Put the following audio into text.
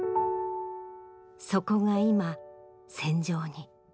そこが今戦場に。